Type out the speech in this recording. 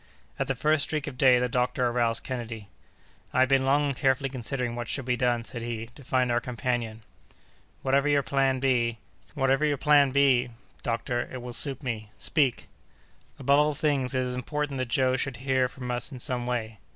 "At the first streak of day, the doctor aroused Kennedy. "I have been long and carefully considering what should be done," said he, "to find our companion." "Whatever your plan may be, doctor, it will suit me. Speak!" "Above all things, it is important that Joe should hear from us in some way."